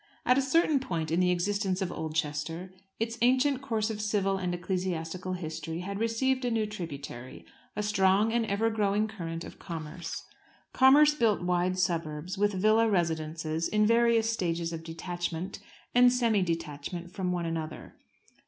At a certain point in the existence of Oldchester, its ancient course of civil and ecclesiastical history had received a new tributary a strong and ever growing current of commerce. Commerce built wide suburbs, with villa residences in various stages of "detachment" and "semi detachment" from one another.